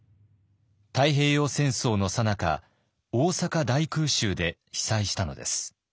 太平洋戦争のさなか大阪大空襲で被災したのです。